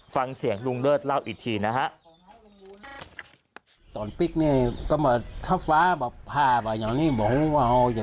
ฟังเสียงลุงเลิศเล่าอีกทีนะฮะ